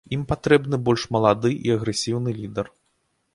Ім патрэбны больш малады і агрэсіўны лідар.